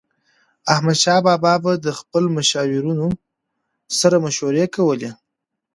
احمدشاه بابا به د خپلو مشاورینو سره مشورې کولي.